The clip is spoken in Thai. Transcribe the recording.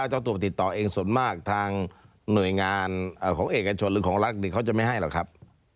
เจ้าตัวติดต่อเองส่วนมากทางหน่วยงานของเอกชนหรือของรัฐเขาจะไม่ให้หรอกครับ